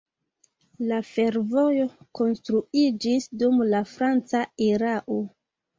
La fervojo konstruiĝis dum la franca erao.